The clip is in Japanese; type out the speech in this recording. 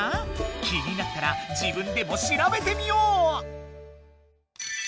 気になったら自分でもしらべてみよう！